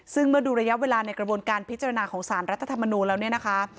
ซึ่งเมื่อดูระยะเวลาในกระบวนการพิจารณาของสารรัฐธรรมนูลแล้วเนี่ยนะคะ